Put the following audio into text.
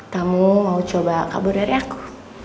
kamu mau coba kabur dari aku